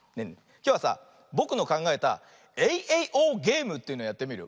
きょうはさぼくのかんがえたエイエイオーゲームというのやってみるよ。